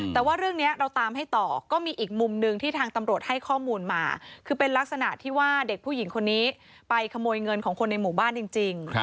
แต่ว่าเรื่องนี้เราตามให้ต่อก็มีอีกมุมหนึ่งที่ทางตำรวจให้ข้อมูลมาคือเป็นลักษณะที่ว่าเด็กผู้หญิงคนนี้ไปขโมยเงินของคนในหมู่บ้านจริง